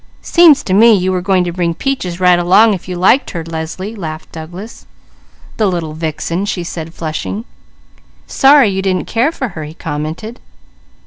"Seems to me you were going to bring Peaches right along, if you liked her, Leslie," laughed Douglas. "The little vixen!" she said flushing. "Sorry you didn't care for her," he commented.